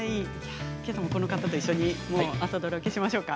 けさも、この方と一緒に朝ドラ受けしましょうか。